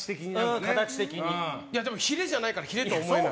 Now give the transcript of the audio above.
ヒレじゃないからヒレと思えない。